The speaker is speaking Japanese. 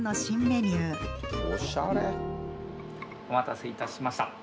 お待たせいたしました。